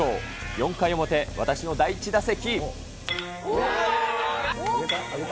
４回表、私の第１打席。